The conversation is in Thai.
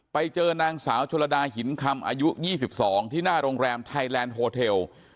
ไปเจอนางสาวชลดาหินคำอายุ๒๒ที่หน้าโรงแรมไทยแลนด์โฮเทล